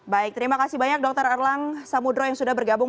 baik terima kasih banyak dokter erlang samudro yang sudah bergabung